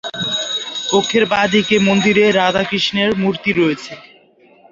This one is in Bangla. কক্ষের বাঁ দিকের মন্দিরে রাধা-কৃষ্ণের মূর্তি রয়েছে।